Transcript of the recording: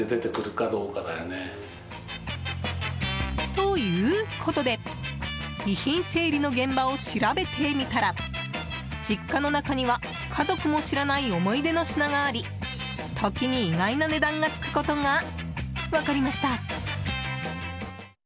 ということで遺品整理の現場を調べてみたら実家の中には家族も知らない思い出の品があり時に意外な値段がつくことが分かりました。